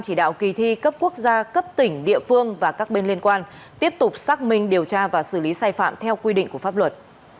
các quốc gia cấp tỉnh địa phương và các bên liên quan tiếp tục xác minh điều tra và xử lý sai phạm theo quy định của pháp luật